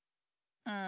うん。